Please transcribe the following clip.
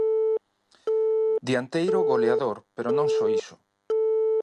Dianteiro goleador, pero non só iso.